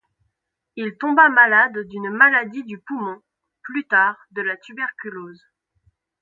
Il tomba malade d'une maladie du poumon, plus tard de la tuberculose.